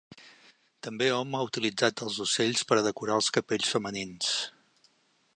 També hom ha utilitzat els ocells per a decorar els capells femenins.